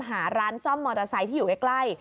หาร้านซ่อมมอเตอร์ไซค์ที่อยู่ใกล้